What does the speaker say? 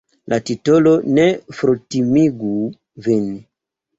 La titolo ne fortimigu vin.